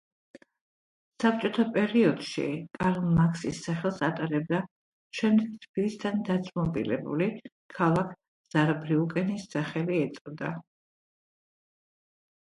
საბჭოთა პერიოდში კარლ მარქსის სახელს ატარებდა, შემდეგ თბილისთან დაძმობილებული ქალაქ ზაარბრიუკენის სახელი ეწოდა.